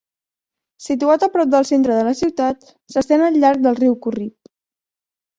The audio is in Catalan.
Situat a prop del centre de la ciutat, s'estén al llarg del riu Corrib.